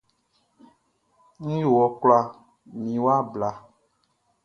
Nʼyo wɔ kula mi wa bla.